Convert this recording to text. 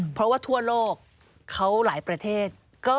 เพราะว่าทั่วโลกเขาหลายประเทศ